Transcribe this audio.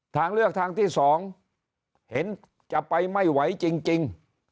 ทางเลือกทางที่๒เห็นจะไปไม่ไหวจริง